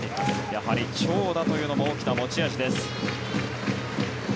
やはり長打というのも大きな持ち味です。